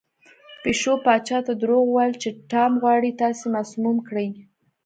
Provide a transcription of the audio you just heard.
پیشو پاچا ته دروغ وویل چې ټام غواړي تاسې مسموم کړي.